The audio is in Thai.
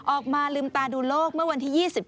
ออกมาลืมตาดูโลกเมื่อวันที่๒๓